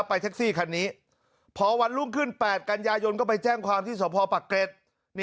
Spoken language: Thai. แท็กซี่คันนี้พอวันรุ่งขึ้น๘กันยายนก็ไปแจ้งความที่สพปักเกร็ด